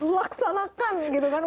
laksanakan gitu kan